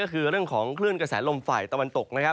ก็คือเรื่องของคลื่นกระแสลมไฟตะวันตก